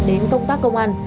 đến công tác công an